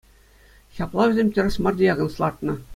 Ҫапла вӗсем тӗрӗс мар диагноз лартнӑ.